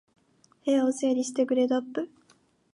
部屋を整理してグレードアップ